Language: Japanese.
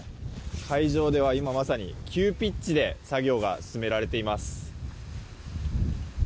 会場では今まさに急ピッチで作業が進められています。